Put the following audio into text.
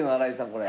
これ。